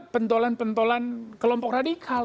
pentolan pentolan kelompok radikal